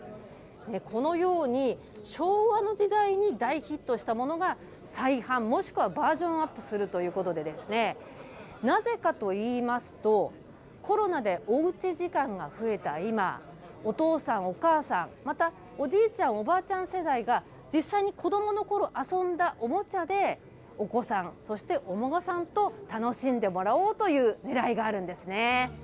このように、昭和の時代に大ヒットしたものが再版、もしくはバージョンアップするということで、なぜかといいますと、コロナでおうち時間が増えた今、お父さん、お母さん、また、おじいちゃん、おばあちゃん世代が実際に子どものころ遊んだおもちゃで、お子さん、そしてお孫さんと楽しんでもらおうというねらいがあるんですね。